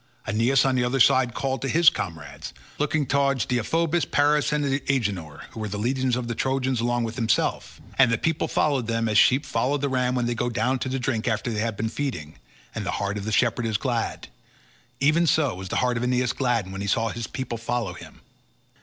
Aeneas on the other side called to his comrades, looking towards Deiphobus, Paris, and Agenor, who were leaders of the Trojans along with himself, and the people followed them as sheep follow the ram when they go down to drink after they have been feeding, and the heart of the shepherd is glad—even so was the heart of Aeneas gladdened when he saw his people follow him.